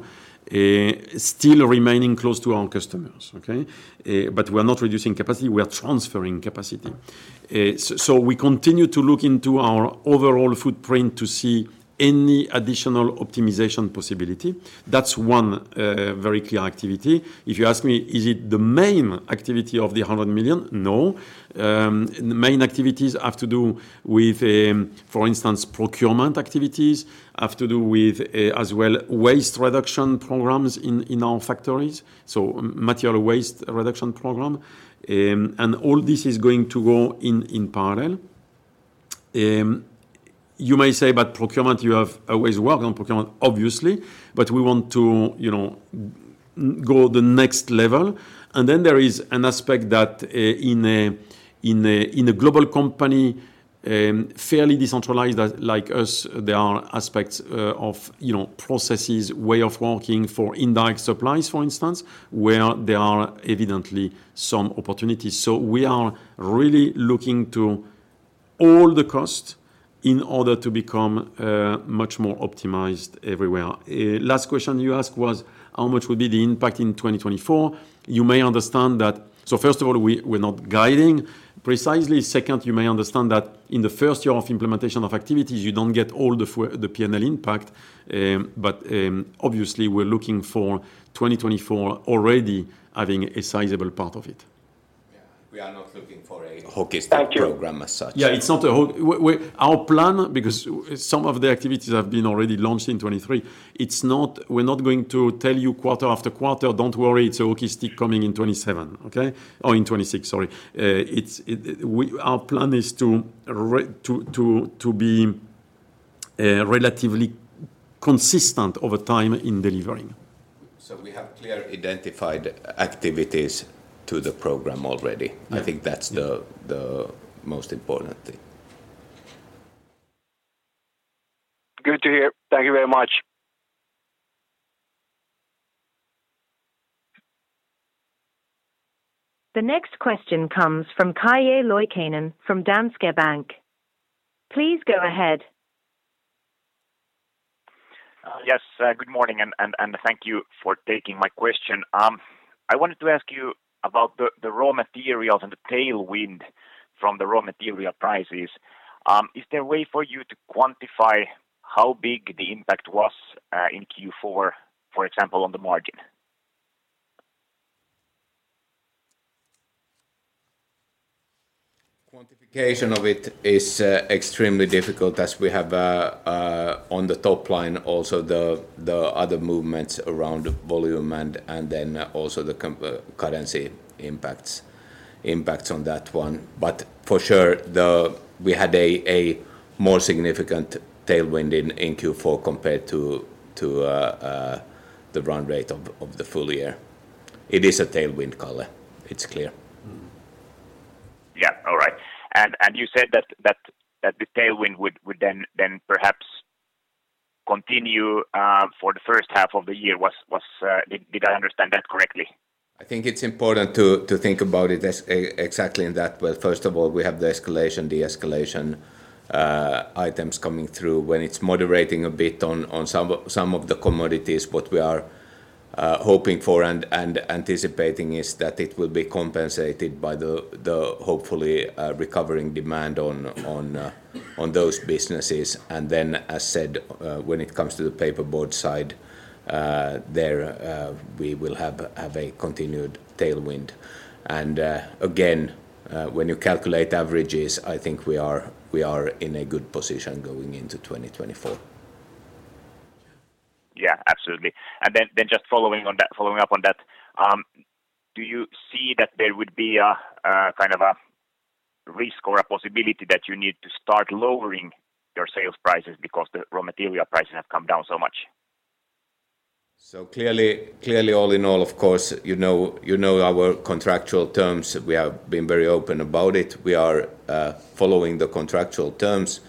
still remaining close to our customers, okay? But we're not reducing capacity, we are transferring capacity. So, we continue to look into our overall footprint to see any additional optimization possibility. That's one, very clear activity. If you ask me, is it the main activity of the 100 million? No. The main activities have to do with, for instance, procurement activities, have to do with, as well, waste reduction programs in our factories, so material waste reduction program. And all this is going to go in parallel. You may say, but procurement, you have always worked on procurement, obviously, but we want to, you know, go the next level. And then there is an aspect that in a global company, fairly decentralized as like us, there are aspects of, you know, processes, way of working for indirect supplies, for instance, where there are evidently some opportunities. So we are really looking to all the cost in order to become much more optimized everywhere. Last question you asked was: How much would be the impact in 2024? You may understand that... So first of all, we, we're not guiding precisely. Second, you may understand that in the first year of implementation of activities, you don't get all the PNL impact, but obviously, we're looking for 2024 already having a sizable part of it. Yeah, we are not looking for a hockey stick- Thank you... program as such. Yeah, it's not. Our plan, because some of the activities have been already launched in 2023, it's not. We're not going to tell you quarter after quarter, "Don't worry, it's a hockey stick coming in 2027," okay? Or in 2026, sorry. It's our plan to be relatively consistent over time in delivering. So we have clearly identified activities to the program already. Yeah. I think that's the most important thing. Good to hear. Thank you very much. The next question comes from Calle Loikkanen from Danske Bank. Please go ahead. Yes, good morning and thank you for taking my question. I wanted to ask you about the raw materials and the tailwind from the raw material prices. Is there a way for you to quantify how big the impact was in Q4, for example, on the margin? Quantification of it is extremely difficult, as we have on the top line also the other movements around volume and, and then also the currency impacts, impacts on that one. But for sure, we had a more significant tailwind in Q4 compared to the run rate of the full year. It is a tailwind, Calle. It's clear. Mm-hmm. Yeah. All right. And you said that the tailwind would then perhaps continue for the first half of the year. Did I understand that correctly? I think it's important to think about it as exactly in that way. First of all, we have the escalation, de-escalation, items coming through. When it's moderating a bit on some of the commodities, what we are hoping for and anticipating is that it will be compensated by the hopefully recovering demand on those businesses. And then, as said, when it comes to the paperboard side, there we will have a continued tailwind. And again, when you calculate averages, I think we are in a good position going into 2024. Yeah, absolutely. And then just following up on that, do you see that there would be a kind of a risk or a possibility that you need to start lowering your sales prices because the raw material prices have come down so much? So clearly, clearly, all in all, of course, you know, you know our contractual terms. We have been very open about it. We are following the contractual terms.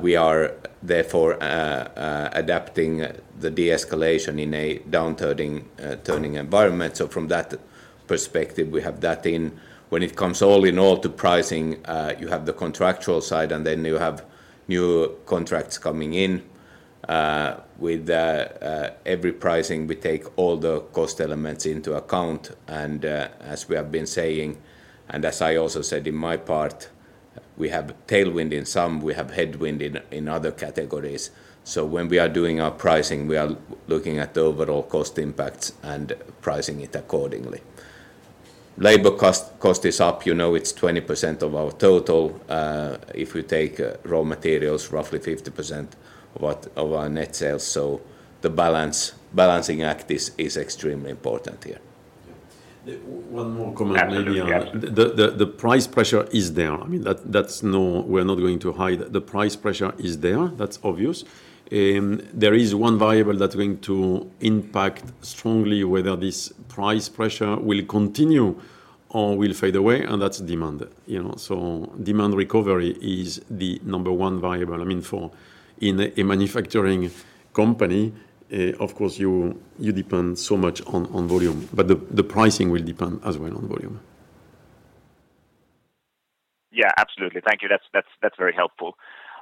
We are therefore adapting the de-escalation in a down-turning turning environment. So from that perspective, we have that in. When it comes all in all to pricing, you have the contractual side, and then you have new contracts coming in. With every pricing, we take all the cost elements into account, and as we have been saying, and as I also said in my part, we have tailwind in some, we have headwind in other categories. So when we are doing our pricing, we are looking at the overall cost impacts and pricing it accordingly. Labor cost is up. You know, it's 20% of our total. If you take raw materials, roughly 50% of our net sales, so the balancing act is extremely important here. Yeah. One more comment, Calle. Absolutely, yeah. The price pressure is there. I mean, that's no... We're not going to hide. The price pressure is there. That's obvious. There is one variable that's going to impact strongly whether this price pressure will continue or will fade away, and that's demand. You know, so demand recovery is the number one variable. I mean, for in a manufacturing company, of course, you depend so much on volume, but the pricing will depend as well on volume. Yeah, absolutely. Thank you. That's very helpful.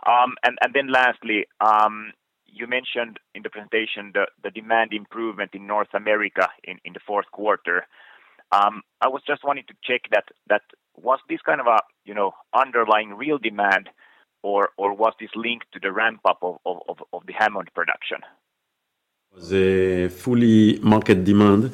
And then lastly, you mentioned in the presentation the demand improvement in North America in the fourth quarter. I was just wanting to check that that was this kind of a, you know, underlying real demand or was this linked to the ramp-up of the Hammond production? The full market demand,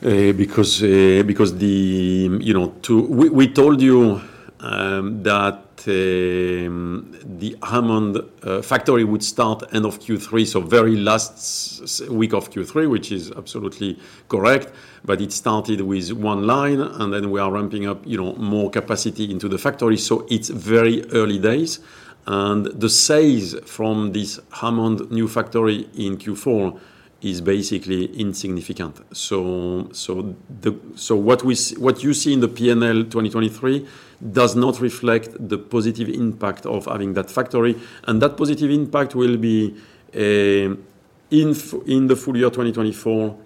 because, because the... You know, we, we told you, that, the Hammond factory would start end of Q3, so very last week of Q3, which is absolutely correct. But it started with one line, and then we are ramping up, you know, more capacity into the factory. So it's very early days, and the sales from this Hammond new factory in Q4 is basically insignificant. So, so the, so what you see in the P&L 2023 does not reflect the positive impact of having that factory, and that positive impact will be in the full year 2024,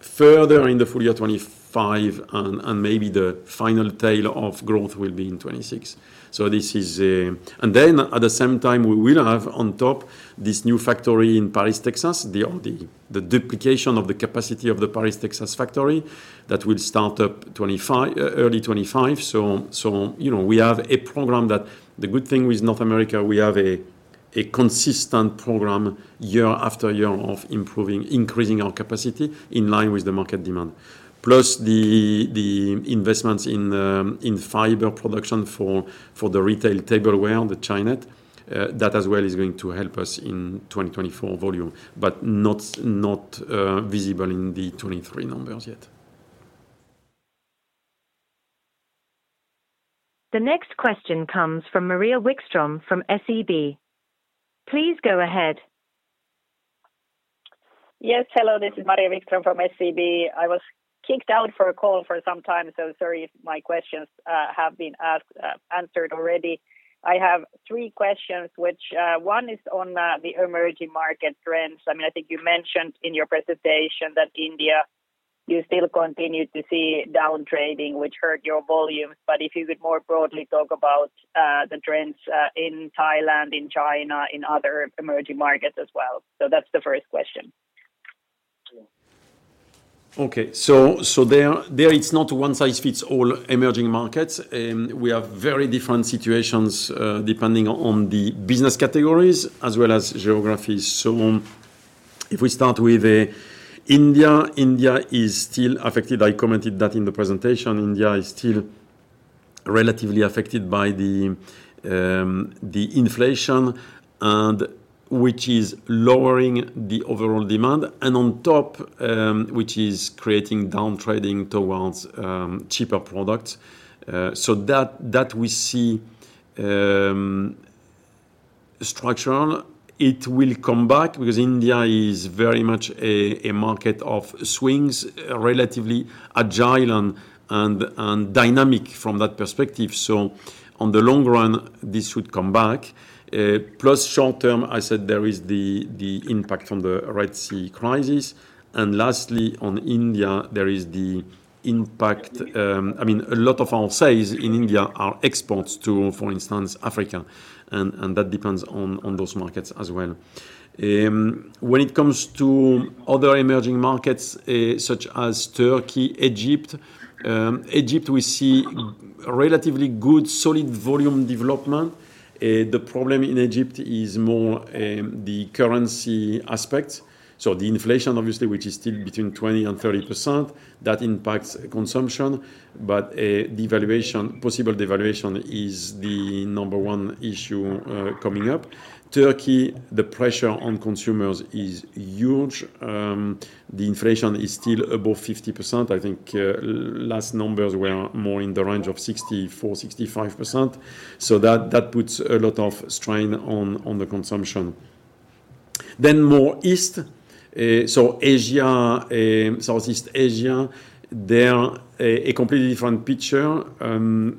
further in the full year 2025, and, and maybe the final tail of growth will be in 2026. So this is... And then at the same time, we will have on top this new factory in Paris, Texas, the duplication of the capacity of the Paris, Texas factory that will start up 25 early 2025. So, you know, we have a program that the good thing with North America, we have a consistent program year after year of improving, increasing our capacity in line with the market demand. Plus, the investments in Fiber production for the retail tableware, the China, that as well is going to help us in 2024 volume, but not visible in the 2023 numbers yet. The next question comes from Maria Wikström from SEB. Please go ahead. Yes, hello, this is Maria Wikström from SEB. I was kicked out for a call for some time, so sorry if my questions have been asked, answered already. I have three questions, which one is on the emerging market trends. I mean, I think you mentioned in your presentation that India, you still continue to see down trading, which hurt your volumes. But if you could more broadly talk about the trends in Thailand, in China, in other emerging markets as well. So that's the first question. Okay. So it's not one-size-fits-all emerging markets. We have very different situations depending on the business categories as well as geographies. So if we start with India, India is still affected. I commented that in the presentation, India is still relatively affected by the inflation and which is lowering the overall demand, and on top, which is creating down trading towards cheaper products. So that we see structural, it will come back because India is very much a market of swings, relatively agile and dynamic from that perspective. So on the long run, this would come back. Plus short term, I said there is the impact from the Red Sea crisis. And lastly, on India, there is the impact... I mean, a lot of our sales in India are exports to, for instance, Africa, and that depends on those markets as well. When it comes to other emerging markets, such as Turkey, Egypt, we see relatively good, solid volume development. The problem in Egypt is more the currency aspect. So the inflation obviously, which is still between 20%-30%, that impacts consumption, but devaluation, possible devaluation is the number one issue coming up. Turkey, the pressure on consumers is huge. The inflation is still above 50%. I think last numbers were more in the range of 64%-65%. So that puts a lot of strain on the consumption. Then more east, so Asia, Southeast Asia, they're a completely different picture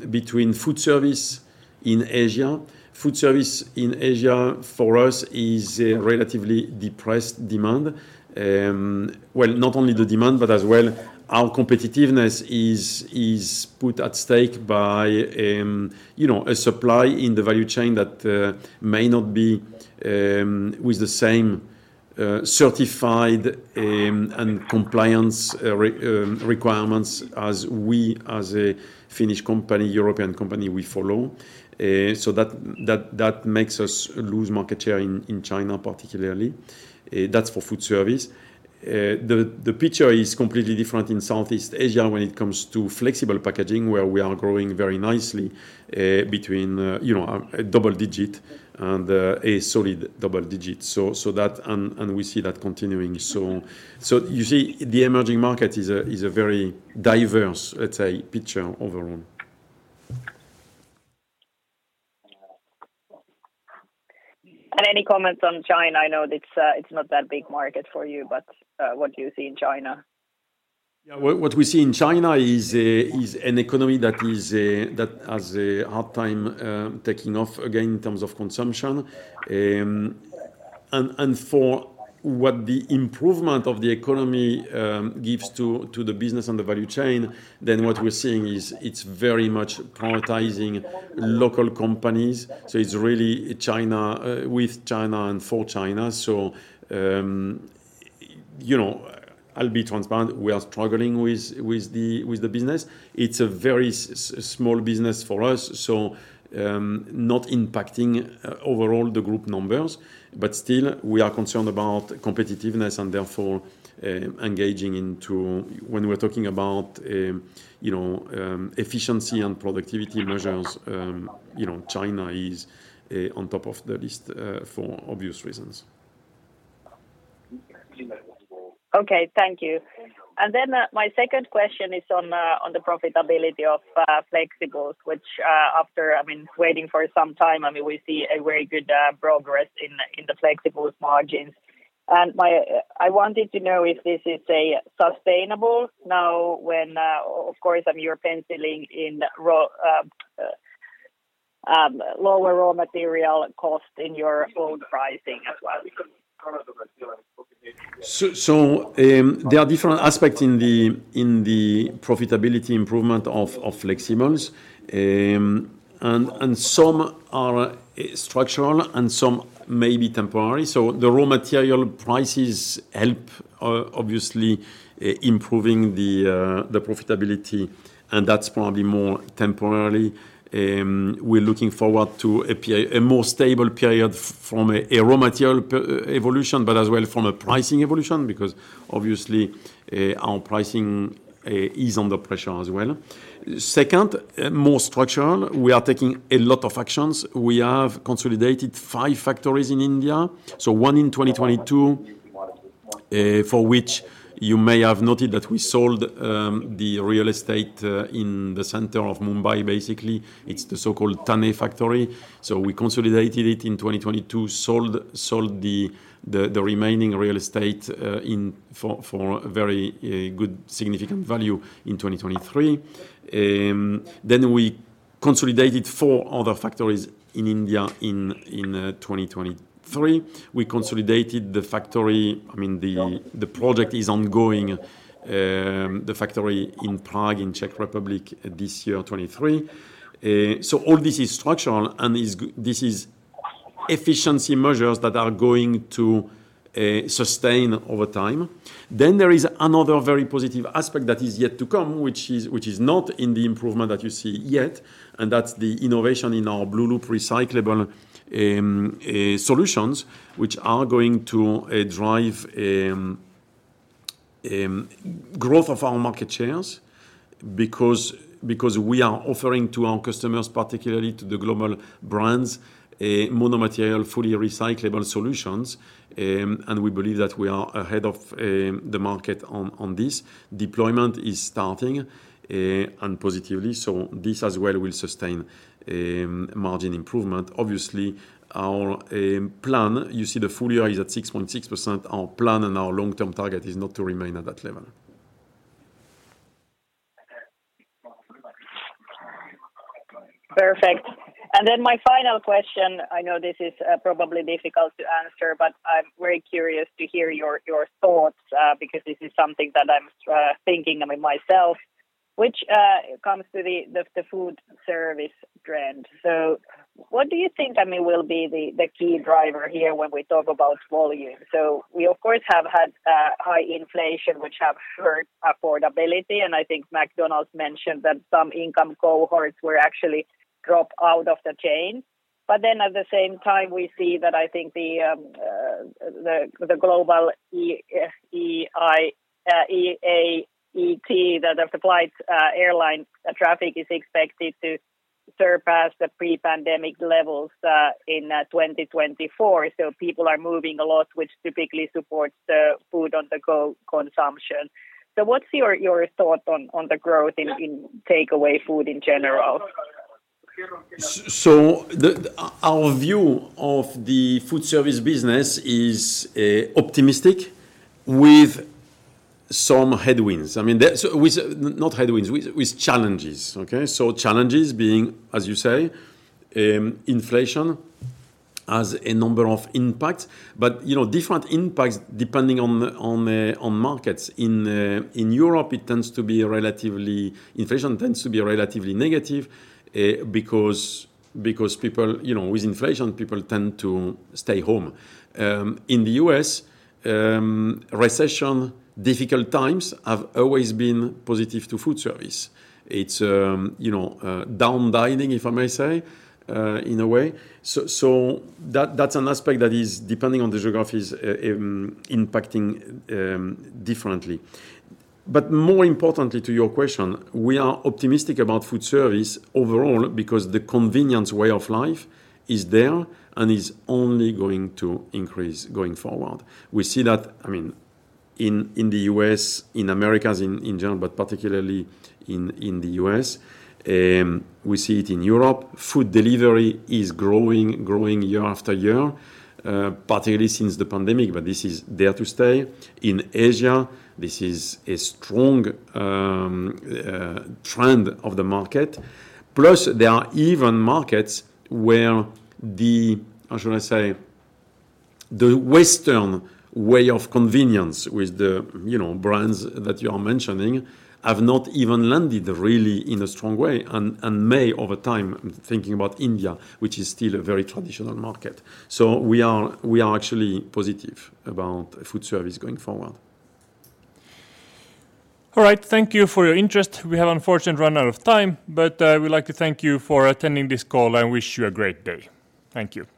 between food service in Asia. Food service in Asia, for us, is a relatively depressed demand. Well, not only the demand, but as well, our competitiveness is put at stake by, you know, a supply in the value chain that may not be with the same certified and compliance requirements as we as a Finnish company, European company, we follow. So that makes us lose market share in China, particularly. That's for food service. The picture is completely different in Southeast Asia when it comes to Flexible packaging, where we are growing very nicely, between, you know, a double digit and a solid double digit. So that and we see that continuing. So you see, the emerging market is a very diverse, let's say, picture overall. Any comments on China? I know it's, it's not that big market for you, but, what do you see in China? Yeah, what we see in China is an economy that has a hard time taking off again in terms of consumption. And for what the improvement of the economy gives to the business and the value chain, then what we're seeing is it's very much prioritizing local companies. So it's really China with China and for China. So, you know, I'll be transparent. We are struggling with the business. It's a very small business for us, so not impacting overall the group numbers. But still, we are concerned about competitiveness and therefore engaging into... When we're talking about, you know, efficiency and productivity measures, you know, China is on top of the list for obvious reasons. Okay, thank you. And then, my second question is on the profitability of Flexibles, which, after, I mean, waiting for some time, I mean, we see a very good progress in the Flexibles margins. And my... I wanted to know if this is sustainable now when, of course, I mean, you're penciling in raw lower raw material cost in your own pricing as well. There are different aspects in the profitability improvement of Flexibles. And some are structural and some may be temporary. The raw material prices help, obviously, improving the profitability, and that's probably more temporary. We're looking forward to a more stable period from a raw material price evolution, but as well from a pricing evolution, because obviously, our pricing is under pressure as well. Second, more structural, we are taking a lot of actions. We have consolidated five factories in India, so one in 2022, for which you may have noted that we sold the real estate in the center of Mumbai. Basically, it's the so-called Thane factory. So we consolidated it in 2022, sold the remaining real estate for a very good significant value in 2023. Then we consolidated four other factories in India in 2023. We consolidated the factory, I mean, the project is ongoing, the factory in Prague, in Czech Republic, this year, 2023. So all this is structural and this is efficiency measures that are going to sustain over time. Then there is another very positive aspect that is yet to come, which is not in the improvement that you see yet, and that's the innovation in our blueloop recyclable solutions, which are going to drive growth of our market shares because we are offering to our customers, particularly to the global brands, a mono-material, fully recyclable solutions, and we believe that we are ahead of the market on this. Deployment is starting, and positively, so this as well will sustain margin improvement. Obviously, our plan, you see the full year is at 6.6%. Our plan and our long-term target is not to remain at that level.... And then my final question, I know this is probably difficult to answer, but I'm very curious to hear your, your thoughts, because this is something that I'm thinking, I mean, myself, which comes to the food service trend. So what do you think, I mean, will be the key driver here when we talk about volume? So we, of course, have had high inflation, which have hurt affordability, and I think McDonald's mentioned that some income cohorts were actually drop out of the chain. But then at the same time, we see that I think the global E-F-E-I, E-A-E-T, the supplies, airline traffic is expected to surpass the pre-pandemic levels in 2024. So people are moving a lot, which typically supports the food on-the-go consumption. What's your thoughts on the growth in takeaway food in general? So our view of the food service business is optimistic with some headwinds. I mean, that's not headwinds, with challenges, okay? So challenges being, as you say, inflation has a number of impacts, but you know, different impacts depending on markets. In Europe, inflation tends to be relatively negative because, you know, with inflation, people tend to stay home. In the U.S., recession, difficult times, have always been positive to food service. It's, you know, down dining, if I may say, in a way. So that's an aspect that is depending on the geographies impacting differently. More importantly to your question, we are optimistic about food service overall because the convenience way of life is there and is only going to increase going forward. We see that, I mean, in the U.S., in Americas, in general, but particularly in the U.S. We see it in Europe. Food delivery is growing, growing year after year, particularly since the pandemic, but this is there to stay. In Asia, this is a strong trend of the market. Plus, there are even markets where the, how should I say, the Western way of convenience with the, you know, brands that you are mentioning, have not even landed really in a strong way and may over time, I'm thinking about India, which is still a very traditional market. So we are actually positive about food service going forward. All right. Thank you for your interest. We have unfortunately run out of time, but we'd like to thank you for attending this call and wish you a great day. Thank you. Thank you.